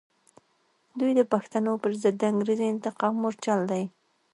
دوی د پښتنو پر ضد د انګریزي انتقام مورچل دی.